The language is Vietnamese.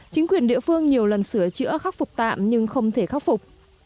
chính quyền địa phương nhiều lần sửa chữa khắc phục tạm nhưng không thể khắc phục